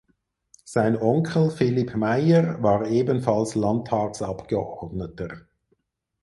Sein Onkel Philipp Mayer war ebenfalls Landtagsabgeordneter.